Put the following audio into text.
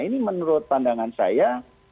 ini menurut pandangan saya